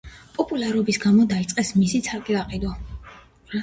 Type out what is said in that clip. პოპულარობის გამო დაიწყეს მისი ცალკე გაყიდვა.